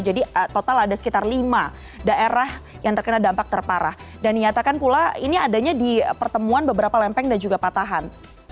jadi total ada sekitar lima daerah yang terkena dampak terparah dan nyatakan pula ini adanya di pertemuan beberapa lempeng dan juga patahan